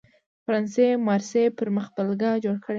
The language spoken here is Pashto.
فرانسې مارسي پر مخبېلګه جوړ کړی.